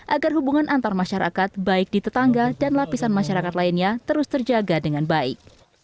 agar hubungan antar masyarakat baik di tetangga dan lapisan masyarakat lainnya terus terjaga dengan baik